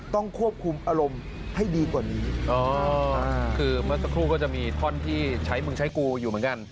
ต้องควบคุมอารมณ์ให้ดีกว่านี้อ๋อคือเมื่อสักครู่ก็จะมีท่อนที่ใช้มึงใช้กูอยู่เหมือนกัน